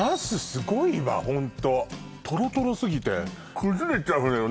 すごいわホントとろとろすぎて崩れちゃうのよ